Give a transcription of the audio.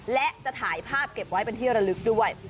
และจะถ่ายภาพเก็บไว้เป็นที่ระลึกด้วย